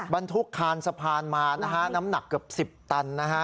บรรทุกคานสะพานมานะฮะน้ำหนักเกือบ๑๐ตันนะฮะ